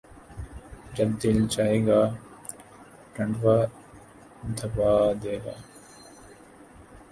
جب دل چاھے گا ، ٹنٹوا دبا دے گا